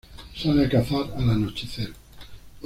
Sale a cazar al anochecer.